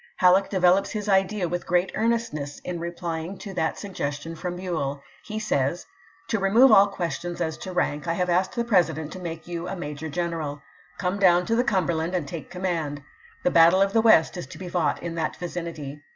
Halleck develops his idea with great earnestness in replying to that suggestion from BueU. He says: To remove aU questions as to rank, I have asked the President to make you a major general. Come down to the Cumberland and take command. The battle of the West is to be fought in that vicinity.